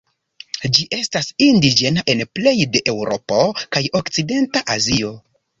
Ĝi estas indiĝena en plej de Eŭropo kaj okcidenta Azio.